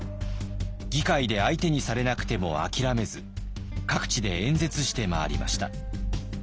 議会で相手にされなくても諦めず各地で演説して回りました。